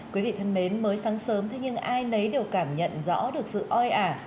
quý vị thân mến mới sáng sớm thế nhưng ai nấy đều cảm nhận rõ được sự oi ả